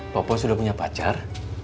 popo sudah punya pacar